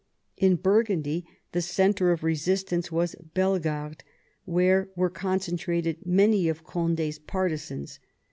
In Burgundy the centre of resistance was Bellegarde, where were concentrated many of Condi's partisans.